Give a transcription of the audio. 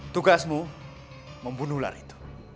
tugasmu membunuh ular itu